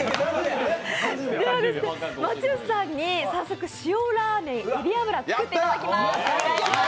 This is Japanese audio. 松由さんに早速、塩ラーメンえび油を作っていただきます。